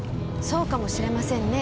そうかもしれませんね。